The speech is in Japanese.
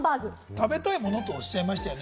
食べたいものとおっしゃいましたよね。